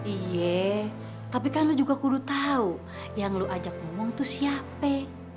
iya tapi kan lu juga kudu tau yang lu ajak ngomong tuh siapa